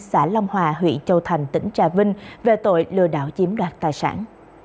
xã long hòa huyện châu thành tỉnh trà vinh về tội lừa đảo chiếm đoạt tài sản